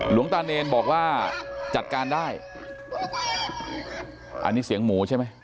หลวงตาเนรบอกว่าจัดการได้อันนี้เสียงหมูใช่ไหม